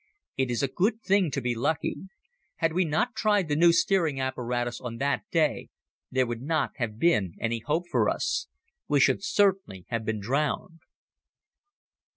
It is a good thing to be lucky. Had we not tried the new steering apparatus on that day there would not have been any hope for us. We should certainly have been drowned.